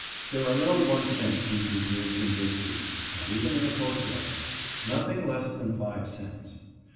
There are no one cent pieces used in Bisbee, (not even in the post office); nothing less than five cents.